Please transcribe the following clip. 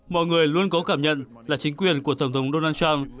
mọi người luôn có cảm nhận là chính quyền của tổng thống donald trump